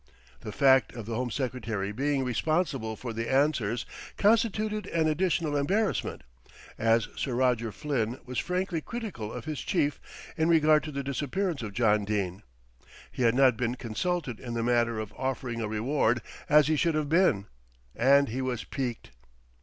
The fact of the Home Secretary being responsible for the answers constituted an additional embarrassment, as Sir Roger Flynn was frankly critical of his chief in regard to the disappearance of John Dene. He had not been consulted in the matter of offering a reward, as he should have been, and he was piqued.